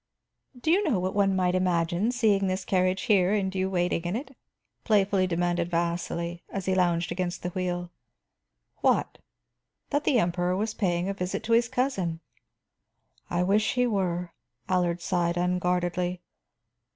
"Do you know what one might imagine, seeing this carriage here and you waiting in it?" playfully demanded Vasili, as he lounged against the wheel. "What?" "That the Emperor was paying a visit to his cousin." "I wish he were," Allard sighed unguardedly.